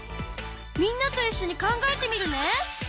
みんなといっしょに考えてみるね！